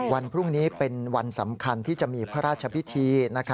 วันพรุ่งนี้เป็นวันสำคัญที่จะมีพระราชพิธี